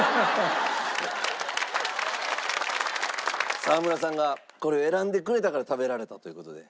沢村さんがこれを選んでくれたから食べられたという事で。